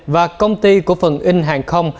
và công ty cổ phần in hàng không